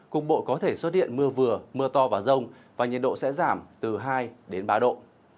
cục bộ có thể xuất hiện mưa vừa mưa to và rông và nhiệt độ sẽ giảm từ hai đến ba độ